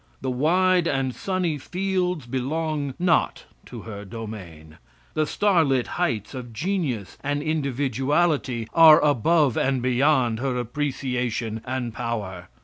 The wide and sunny fields belong not to her domain. The star lit heights of genius and individuality are above and beyond her appreciation and power.